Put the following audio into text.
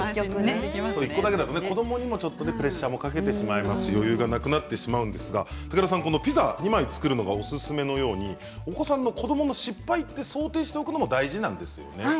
１個だけだと子どもにもプレッシャーをかけてしまいますし余裕がなくなってしまうんですがピザを２枚作るのおすすめのように子どもの失敗を想定しておくことが大事なんですよね。